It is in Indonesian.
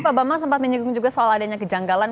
pak bambang sempat menyinggung juga soal adanya kejanggalan